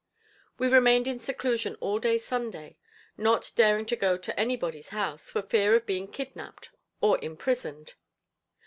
We remained in seclusion all day Sunday, not daring to go to anybody's house for fear of being kidnapped or imprisoned.